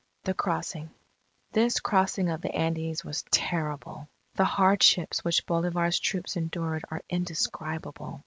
THE CROSSING This crossing of the Andes was terrible. The hardships which Bolivar's troops endured are indescribable.